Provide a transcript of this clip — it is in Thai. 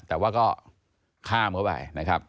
แต่ว่าก็ข้ามเข้าไปนะครับ